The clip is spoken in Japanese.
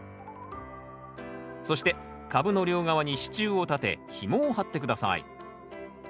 そして株の両側に支柱を立てひもを張って下さい。